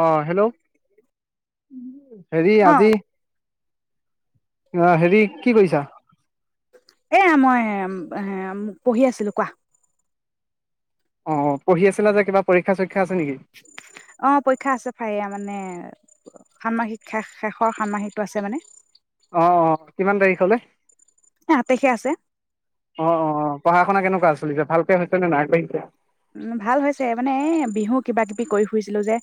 অ hello হেৰি অ আজি অ হেৰি কি কৰিছা? এয়া মই হেম হেম পঢ়ি আছিলো কোৱা, অ পঢ়ি আছিলা যে কিবা পৰীক্ষা চা অ পৰীক্ষা আছে ফাইয়া মানে ষান্মাহিক শেষ শেষৰ ষান্মাহিকটো আছে মানে অ অ কিমান তাৰিখলে এ সাত তাৰিখে আছে অ অ পঢ়া শুনা কেনেকুৱা? চলিছে ভালকে হৈছে নে নাইিছে উম ভাল হৈছে মানে এ বিহু কিবা কিবি কৰি ফুৰিছিলো যে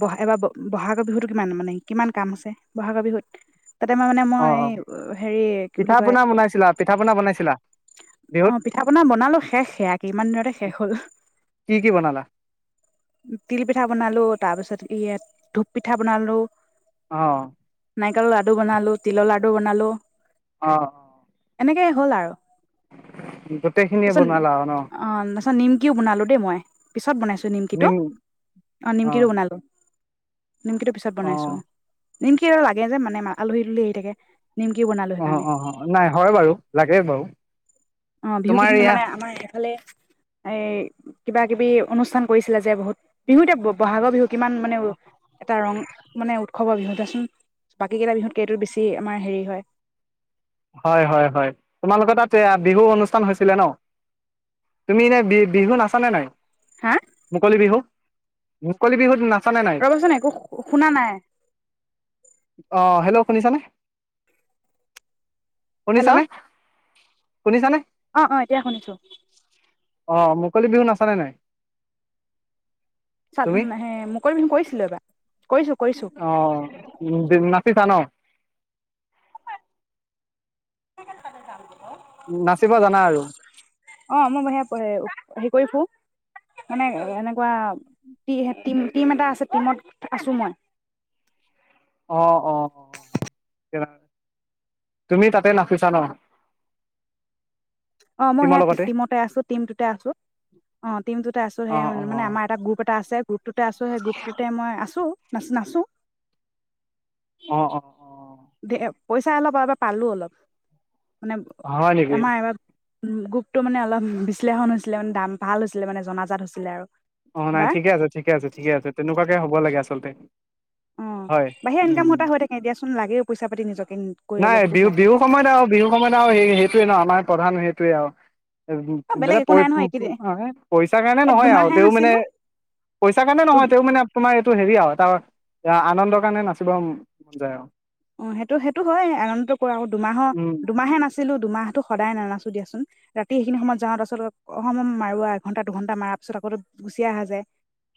ব এইবাৰ বহাগৰ বিহুতো কিমান মানে কিমান কাম আছে বহাগৰ বিহুত তাতে মই মানে অ মই অ হেৰি কি বুলি পিঠা কয় পনা বনাইছিলা পিঠা পনা বনাইছিলা অ বিহুত পিঠা পনা বনালো শেষ সেয়া কিমান দিনতে শেষ হল কি কি বনালা তিল পিঠা বনালো তাৰ পিছত ইয়াত ধূপ পিঠা বনালো তাত অ নাৰিকলৰ লাডু বনালো তিলৰ লাডু বনালো নাই অ অ এনেকেই হ'ল আৰু এ গোটেইখিনিয়ে বনালা আৰু ন অ তাৰপিছত নিমকিও বনালো দেই মই পিছত বনাইছো নিমকি টো নিম অ নিমকি টো বনালোঁ নিমকিটো পিছত অ বনাইছো নিমকি আৰু লাগে যে মানে আলহী দুলহী আহি থাকে নিমকিও বনালো অ সেইকাৰণে অ নাই হয় বাৰু লাগে বাৰু অ বিহু তোমাৰ কেইদিন এয়া মানে আমাৰ এফালে এ কিবা কিবি অনুষ্ঠান কৰিছিলে যে বহুত বিহুতে বহাগৰ বিহুত কিমান মানে এটা ৰং মানে উৎসৱৰবিহুত চোন বাকী কেইটা বিহুতকে এইটো বেছি আমাৰ হেৰি হয় হয় হয় হয় তোমালোকৰ তাত এ বিহু অনুষ্ঠান হৈছিলে ন তুমি এনে বি বিহু নাচানে নাই হা মুকলি বিহু মোকলি বিহুত ন ৰবাচোন একো শুনা নাই অ হেল্ল' শুনিছানে হেল্ল' শুনিছা নে শুনিছানে অ অ এতিয়া শুনিছো অ মুকলি বিহু নাচানে নাই তুমি মুকলি বিহুকৰিছিলো এবাৰ কৰিছো কৰিছো অ ন ছা ন [unintelligible] নাচিব জানা আৰু অ মই সেয়া হেৰি কৰি ফো মানে এনেকুৱা টিম এটা আছে টিমত আছো মই অ অ অ তুমি তাতে নাচিছা ন অ মই টিমৰ সেয়া লগতে টিমতে আছো টিমটোতে আছো অ টিমটোতে আছো অ সেই অ মানে আমাৰ এটা গ্ৰুপ এটা আছে গ্ৰুপটোতে আছো সেই গ্ৰুপটোতে মই আছো নাচ নাচো অ অ পইচা অলপ পালো অলপ মানে অ হয় নেকি আমাৰ এবাৰ উ গ্ৰুপটো মানে অলপ বিশ্লেষণ হৈছিলে মানে দাম ভাল হৈছিলে মানে জনাজাত হৈছিলে আৰু অ নাই এবাৰ ঠিকে আছে ঠিকে আছে ঠিক আছে তেনেুৱাকে হ'ব ক'ব লাগে আচলতে অ হয় বাহিৰা উ ইনকাম এটা হৈ থাকে দিয়াচোন লাগেও পইচা পাতি নিজকে নাই কৰিলে বহুত বিহু লাগে বিহু সময়ত আৰু বিহু সময়ত আৰু স সেইটোয়ে ন আমাৰ প্ৰধান সেইটো ত আহ অ বেলেগ বোলে প একো নাই নহয় এইকেইদিন পইচা কাৰণে এই নহয় আৰু দুমাহে নাছিলো পইচা কাৰে নহয় মানে হেৰি এইটো হেৰি আৰু এটা আনন্দৰ কাৰণে নাচিব মন যায় আৰু অ সেইটো সেইটো হয় আনিত কৰো আৰু দুমাহৰ উম দুমাহে নাছিলো দুমাহো সদায় নানাচো দিয়াচোন ৰাতি সেইখিনি সময়ত যাওঁতে আচলতে মাৰোৱাা এঘণ্টা দুঘণ্টা মাৰ পিছত আকৌ গুচি অ আহা যায়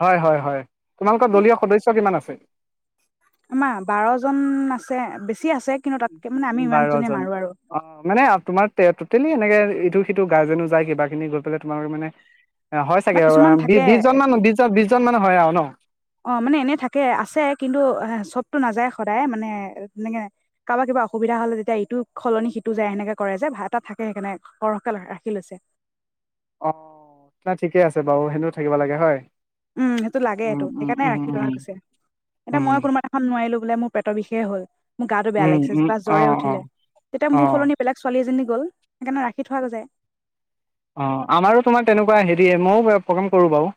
হয় হয় হয় তোমালোকৰ দলীয় সদস্য় কিমান আছে আমা বাৰ জন আছে বেছি আছে কিন্তু তাতকে মানে আমি ইমানজনে বাৰজন মাৰো আৰু অ মানে তোমাৰ তে টেলি এনেকে ইটো সিটো গাৰ্জেনো যায় কিবা খিনি গৈ পেলাই তোমালোকে মানে অ হয় বা কিছুমান চাগে থাকে বিশজন মানু বিশজন বিশজন মানুহ হয় আৰু ন অ মানে এনে থাকে আছে কিন্তু চবতটো নাযায় সদায় মানে এনেকে কাৰোবা কিবা অসুবিধা হলে যেতিয়া ইটো সলনি সিটো যায় সেনেকে কৰে যে এটা থাকে সেইকাৰণে সৰহকে ৰাখি লৈছে অ ন ঠিকেই আছে বাৰু সেও থাকিব লাগে হয় উম সেইটো লাগে উম এইটো উম সেইকাৰণে উম ৰাখি থোৱা উম গৈছে এতিয়া উম ময়ো কোনোবা এখন নোৱাৰিলো বোলে মোৰ পেটৰ বিষ হল মোৰ গাটো বেয়া উম লাগিছে উম বা অ জ্বৰে অ উঠিলে তেতিয়া অ মোৰ সলনি বেলেগ ছোৱালী এজনী গল সেইকাৰণে ৰাখি থোৱা গজায় অঁ আমাৰো তোমাৰ তেনেকুৱা হেৰি ময়ো প্ৰগ্ৰেম কৰোঁ বাৰু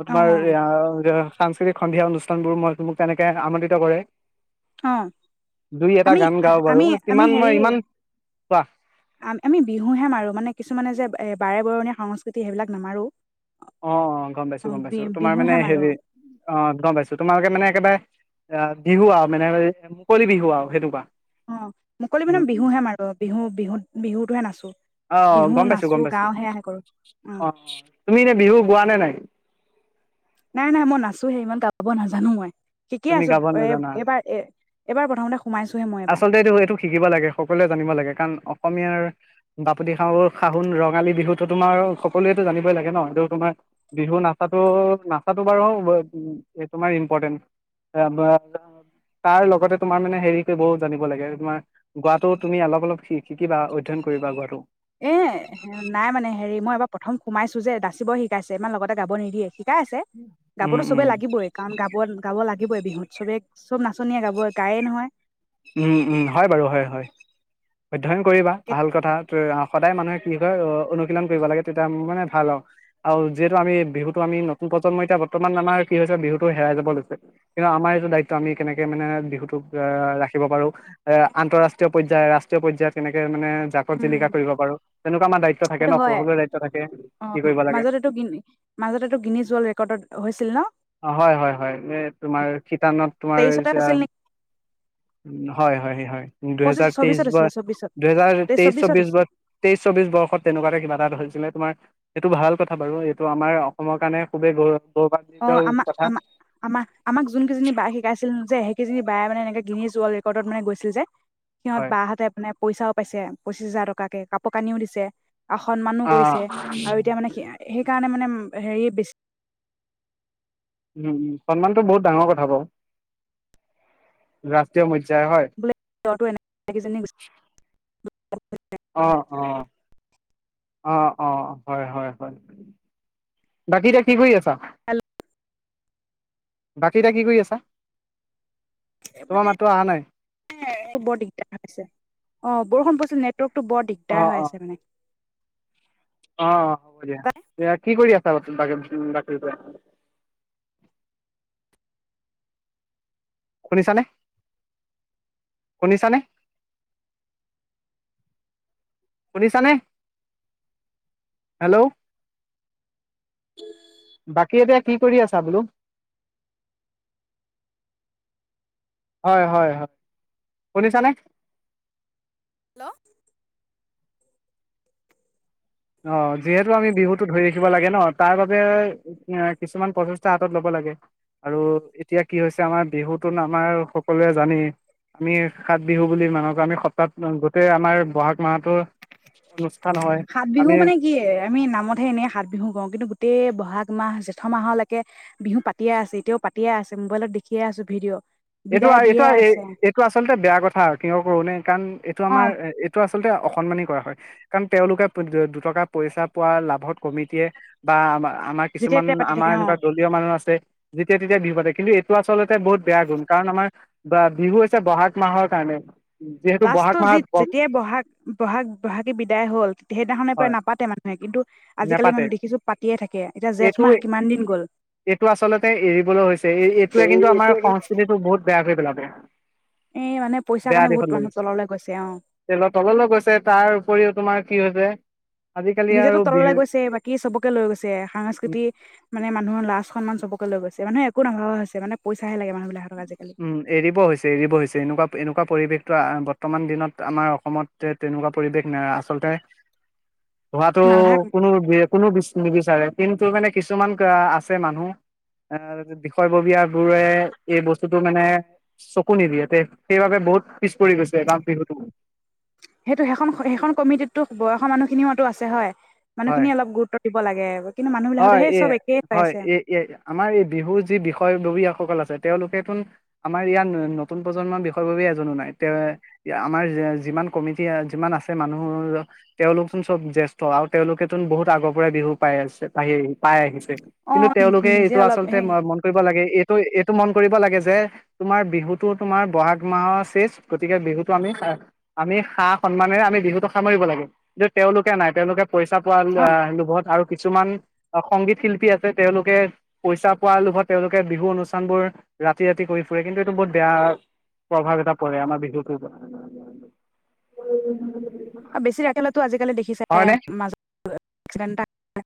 ম অ তোমাৰ সাংস্কৃতিক সন্ধিয়া অনুষ্ঠানবোৰ মই মোক তেনেকে আমন্ত্ৰিত কৰে অ দুই এটা আমি গান গাও বাৰু আমি ইতিমান মই ইমান কোৱা আ আমি বিহুহে মাৰো মানে কিছুমানে যে এ বাৰে বৰণীয়া সংস্কৃতি সেইবিলাক নামাৰো অ অ গম পাইছো গম বি পাইছো তোমাৰ মানে বিহুহে মাৰো হেৰি অ গম পাইছো তোমালোকে মানে একেবাৰে অ বিহু আও মানে মুকলি বিহু আও সনেকুৱা [unintelligible] অ মুকলি মানে বিহুহে মাৰো বিহু বিহু বিহুতটোহে নাচো অ গম পাইছো গম পাইছো গাও সেয়াহে কৰো অ তুমি এনে বিহু গোৱা নে নাই? নাই নাই মই নাচোহে ইমান গা -ব নাজানো মই শিকি তুমি আছো গাব এ নাজানা এইবাৰ এ এবাৰ প্ৰথমতে সোমাইছোহে মই এবাৰ আচলতে এইটো এইটো শিকিব লাগে সকলোৱে জানিব লাগে কাৰণ অ অসমীয়াৰ বাপতি সাহ সাহোন ৰঙালী বিহুতো তোমাৰ সকলোৱেতো জানিবই লাগে ন এই তোমাৰ বিহু নাচাটো নাচাটো বাৰু তোমাৰ ইম্পৰ্টেণ্ট তাৰ লগতে তোমাৰ মানে হেৰি বহু জানিব লাগে তোমাৰ গোৱাটো তুমি অলপ অলপ শি শিকিবা অধ্যয়ন কৰিবা গোৱাটো এ নাই মানে হেৰি মই এবাৰ প্ৰথম সোমাইছো যে দাচিব শিকাইছে ইমান লগতে গাব নিদিয়ে শি- কাই আছে উম গাবতো উম চবে লাগিবই কাৰণ গাব গাব লাগে লাগিবই বিহুত চবে চব নাচনীয়ে গাবই গায়ে নহয় উম উম হয় বাৰু হয় হয় অধ্যয়ন কৰিবা ভাল কথাটোৱে আ- সদায় মানুহে কি হয় অনুশীলন কৰিব লাগে তেতিয়া মানে ভাল আৰু আৰু যিহেতু আমি বিহুটো আমি নতুন প্ৰজন্মই এতিয়া বৰ্তমান আমাৰ কি হৈছে বিহুটো হেৰাই যাব লৈছে কিন্তু আমাৰ এইটো দায়িত্ব আমি কেনেকে মানে বিহুটোক ৰাখি ৰব পাৰো এ আন্তঃৰাষ্ট্ৰীয় পৰ্যায় ৰাষ্ট্ৰীয় পৰ্যায়ত কেনেকে মানে জাকত উম জিলিকা কৰিব পাৰো তেনেকুৱা আমাৰ দায়িত্ব থাকে সেইটো ন হয় সকলোৰে দায়িত্ব থাকে অ কি কৰিব লাগে মাজত এইটো মাজত এইটো গ্ৰিনিছ ৱৰ্ল্ড ৰেকৰ্ডত হৈছিল ন অ হয় হয় হয় এই তোমাৰ শিতানত তোমাৰ তেইশতে হৈছিল যাজ নেকি উ হয় হয় হয় পঁচিছ দুহেজাৰ তেইশ চৌবিশত বৰ হৈছিলে চৌবিশত দুহেজাৰ তেইছ তেইশ চৌবিশত চৌবিশ হৈছিল বৰ তেইশ চৌবিশ বৰ্ষত তেনেকুৱাতে কিবা এটা হৈছিল এনে তোমাৰ সেইটো ভাল কথা বাৰু এইটো আমাৰ অসমৰ কাৰণে খুবেই গৌৰৱ অ গৌৰৱান্বিত আমাক কথা আমাক আমাক যোন কেইজনী বাই শিকাইছিল যে সেইজনি বাই মানে এনেকে গ্ৰিণিছ ৱৰ্ল্ড ৰেকৰ্ডত মানে গৈছিল যে সিহঁত হয় বাহতে মানে পইচাও পাইছে পঁচিশ হাজাৰ টকাকে কাপোৰ কানিও দিছে আ সন্মানো অ কৰিছে আৰু এতিয়া মানে সি- সেইকাৰণে মানে হেৰিয়ে বেছি উম উম সন্মানটো বহুত ডাঙৰ কথা বাৰু ৰাষ্ট্ৰীয় মধ্য- বলে [unintelligible] এনে কিজনীয়ে গৈছিল অ অ অ অ অ হয় হয় হয় বাকী এতিয়া কি কৰি আছা? হেল্ল' বাকী এতিয়া কি কৰি আছা? তোমাৰ মানে মাতটো অহা নাই বৰ দিগদাৰ হৈছে অ বৰষুণ পৰিছিল নেতৱৰ্ক টো বৰ অ দিগদাৰ হৈ অ আছে মানে অ হ'ব দিয়া এতিয়া কি কৰি আছ বাগে দে শুনিছানে শুনিছানে শুনিছানে হেল্ল' বাকী এতিয়া কি কৰি আছা বোলো হয় হয় হয় শুনিছানে হেল্ল' অ যিহেতু আমি বিহুতটো ধৰি ৰাখিব লাগে ন তাৰ বাবে এ কিছুমান প্ৰচেষ্টা হাতত লব লাগে আৰু এতিয়া কি হৈছে আমাৰ বিহুটো আমাৰ সকলোৱে জানেই আমি সাত বিহু বুলি মানুহক আমি সপ্তাহত গোটেই আমাৰ বহাগ মাহটোৰ ভাল ন হয় সাত বিহু মানে কি আমি নামতহে এনেই সাত বিহু কওঁ কিন্তু গোটেই বহাগ মাহ জেঠ মাহলৈকে বিহু পাতিয়ে আছে এতিয়াও পাতিয়ে আছে মোবাইলত দেখিয়ে আছো ভিডিঅ' এইটো বিদায় দিয়ে এইটো এ আছে এইটো আচলতে বেয়া কথা কিয় কৰোনেে কাৰণ এইটো অ আমাৰ এ এইটো আচ আচলতে অসন্মানি কৰা হয় কাৰণ তেওঁলোকে দুটকা পইচা পোৱা লাভত কমিটিয়ে বা আমাৰ আমাৰ যেতিয়া কিছুমান তেতিয়া পাতি আমাৰ থাকে অ এনেকুৱা দলীয় মানুহ আছে যেতিয়া তেতিয়া বিহু পাতে কিন্তু আচলতে বহুত বেয়া গুণ। বা বিহু হৈছে বহাগ মাহৰ কাৰণে। যিহেতু লাষ্টত বহাগ যি মাহত যেতিয়াই বহাগ বহাগ বহাগী বিদায় হ'ল। সেইদিনাখনৰ পৰা হয় নাপাতে মানুহে কিন্তু আজি কালি নেপাতে মানে দেখিছো পাতিয়ে থাকে। এতিয়া জেঠ এইটো মাহ কিমান দিন গ'ল। এইটো আচলতে এৰিবলৈ হৈছে এই এইটোৱে কিন্তু আমাৰ সংস্কৃতিটো বহুত বেয়া কৰি পেলাব এ মানে পইছা কাৰণে বহুত মানুহ তললৈ গৈছে অ তললৈও গৈছে তাৰ উপৰিও তোমাৰ কি হৈছে, আজিকালি নিজেতো আৰু তললে বিহু গৈছে বাকী চবকে লৈ গৈছে। উম সাংস্কৃতি মান মানে মানুহৰ লাজ- সন্মান চবকে লৈ গৈছে। মানুহে একো নভবা হৈছে মানে পইছাহে লাগে মানুহবিলাকক। উম এৰিব হৈছে এৰিব হৈছে, এনেকুৱা এনেকুৱা পৰিৱেশটো বৰ্তমান দিনত আমাৰ অসমত তেনেকুৱা পৰিৱেশ না আচলতে। হোৱাতো নালাগ কোনো নিদিষ্ট কিন্তু মানে কিছুমান আছে মানুহ ম, অ বিষয়ববীয় বোৰে এই বস্তু বস্তুটো মানে চকু নিদিয়ে, সেইবাবে বহুত পিছ পৰি গৈছে বিহুতটো। সেইটো সেইখন সেইখন কমিটিতো বয়সৰ মানুহখিনিওটো আছে হয়। হয় মানুহখিনি অলপ গুৰুত্ব দিব লাগে। কিন্তু মানুহ বিলাকতো হয় সেই এ, চব একেই হৈ হয় আছে এ এ আমাৰ এই বিহুৰ যি বিষয়ববীয়া। সকল আছে, তেওঁলোকৰচোন আমাৰ ইয়াৰ নতুন প্ৰজন্মৰ বিষয়ববীয়া এজনো নাই। তে আমাৰ যিমান কমিটি যিমান আছে মানুহৰ তেওঁলোকচোন চব জ্যেষ্ঠ আৰু তেওঁলোকেচোন বহুত আগৰ পৰাই বিহু পাই আছে। পাই আহিছে। অ কিন্তু তেওঁলোকে নিজে এইটো অলপ আচলতে সেই মন কৰিব লাগে, এই তৌ এইটো মন কৰিব লাগে যে, তোমাৰ বিহুতো তোমাৰ বহাগ মাহৰ শেষ। গতিকে বিহুতো আমি আমি সা-সন্মানেৰে আমি বিহুতটো সামৰিব লাগে, কিন্তু তেওঁলোকে নাই। তেওঁলোকে পইচা পোৱা অ লোভত আৰু কিছুমান সংগীত শিল্পী আছে, তেওঁলোকে পইচা পোৱাৰ লোভত, তেওঁলোকে বিহু অনুষ্ঠান বোৰ ৰাতি-ৰাতি কৰি ফুৰে। কিন্তু এইটো বহুত বেয়া প্ৰভাৱ এটা পৰে আমাৰ বিহুটোৰ ওপৰত। বেছি [unintelligible] আজিকালি দেখিছে হয়নে মাজত এক্সিডেণ্ট এটা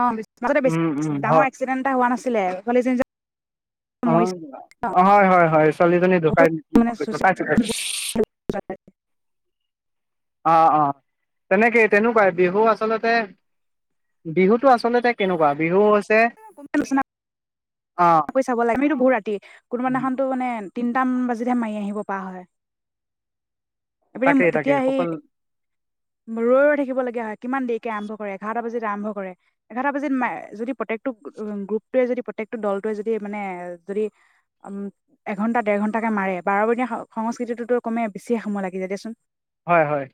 অ', মাজতে বেছি উম উম ডাঙৰ হয় এক্সিডেণ্ট এটা হোৱা নাছিলেনে? হৈছিলে। ছোৱালীজনী যে মৰিছে অ', হয়, হয়। হয়। ছোৱালীজনী বহুতো মানে ঢুকাইছিলে। অ', অ'। তেনেকেই, তেনেকুৱাই বিহু আচলতে, বিহুতো আচলতে কেনেকুৱা বিহু হৈছে [unintelligible] অ কৰি চাব লাগে। আমিতো বহু ৰাতি কোনোবাদিনাখনটো মানে তিনিটামান বাজিলে হে মাৰি আহিব পৰা হয়। এপিনে তাকেই তেতিয়া তাকেই সেই সকল ৰৈ-ৰৈ থাকিব লগীয়া হয়, কিমান দেৰিকে আৰম্ভ কৰে এঘাৰটা বজিত আৰম্ভ কৰে, এঘাৰতা বাজিত মাৰে, যদি প্ৰত্যেকটো উম গ্ৰূপটোৱে যদি প্ৰত্যেকটো দল যদি মানে যদি উম এঘন্টা দেৰ ঘন্টাকে মাৰে বাৰবনিয়া সংস্কৃতিটোতো কমে বেছিয়ে সময় লাগি যায় দেচোন। হয়, হয়।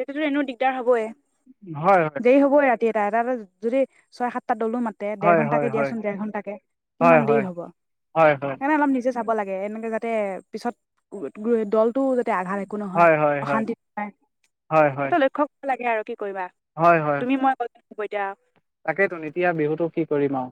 সেইটোতো এনেো দিগদাৰ হবই। হয়! হয়! [unintelligible] যদি ছয় সাত এটা দলো মাতে দেৰ হয় ঘণ্টাকে হয় হয় দিয়াচোন দেৰ ঘণ্টা তাকেই, হয় কিমান হয় দেৰি হয় হ'ব হয় হয় সেইকাৰণে অলপ নিজে চাব লাগে এনেকে যাতে পিছত দল টো যাতে আঘাত একো নহয় হয় হয় হয় অশান্তি নয় হয় হয় এইটো লক্ষ্য কৰিব লাগে আৰু। কি কৰিবা হয় হয় তুমি মই ক ব এতিয়া তাকেইতোন এতিয়া বিহুটো কি কৰিম আৰু